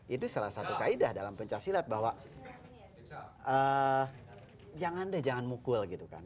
dan memang itu salah satu kaedah dalam penca silat bahwa jangan deh jangan mukul gitu kan